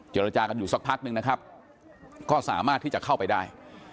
เจรจากันอยู่สักพักนึงนะครับก็สามารถที่จะเข้าไปได้